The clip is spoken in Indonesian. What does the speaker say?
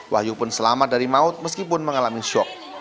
wahyu pun selamat dari maut meskipun mengalami syok